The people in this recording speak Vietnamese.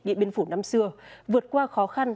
địa biên phủ năm xưa vượt qua khó khăn